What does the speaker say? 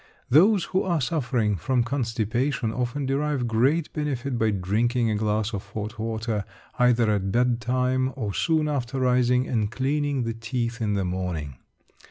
Those who are suffering from constipation often derive great benefit by drinking a glass of hot water either at bedtime or soon after rising and cleaning the teeth in the morning.